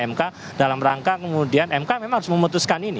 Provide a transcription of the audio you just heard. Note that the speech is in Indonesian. mk dalam rangka kemudian mk memang harus memutuskan ini